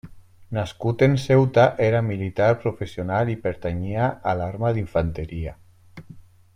Nascut en Ceuta, era militar professional i pertanyia a l'arma d'infanteria.